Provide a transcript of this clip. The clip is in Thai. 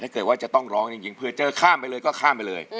ถ้าเกิดว่าจะต้องร้องจริงเผื่อเจอข้ามไปเลยก็ข้ามไปเลย